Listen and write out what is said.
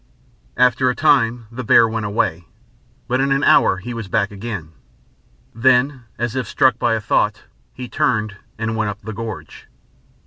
After a time the bear went away, but in an hour he was back again. Then, as if struck by a thought, he turned, and went up the gorge....